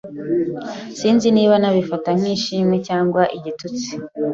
Sinzi niba nabifata nk'ishimwe cyangwa igitutsi.